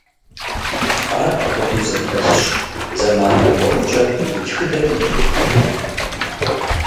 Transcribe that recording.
Ар куэду зэхэлъщ, зэманыр кӏуэхукӏэ и тхыдэри нэхъ къулей мэхъу.